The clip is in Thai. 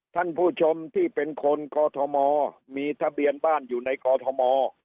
ท่านผู้ชมที่เป็นคนกอทมมีทะเบียนบ้านอยู่ในกอทม